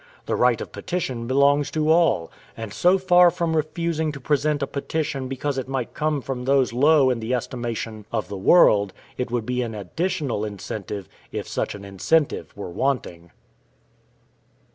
The right of petition belongs to all; and so far from refusing to present a petition because it might come from those low in the estimation of the world, it would be an additional incentive, if such an incentive were wanting.